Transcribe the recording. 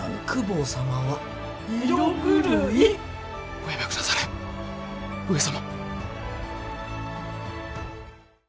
おやめ下され上様。